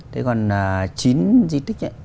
thế còn chín di tích ấy